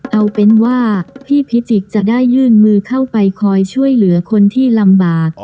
เอาเป็นว่าพี่พิจิกษ์จะได้ยื่นมือเข้าไปคอยช่วยเหลือคนที่ลำบาก